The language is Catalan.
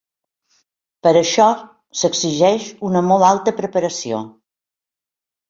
Per això, s'exigeix una molt alta preparació.